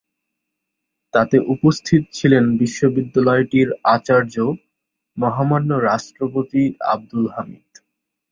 তাতে উপস্থিত ছিলেন বিশ্ববিদ্যালয়টির আচার্য, মহামান্য রাষ্ট্রপতি আবদুল হামিদ।